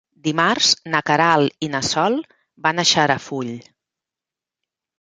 Dimarts na Queralt i na Sol van a Xarafull.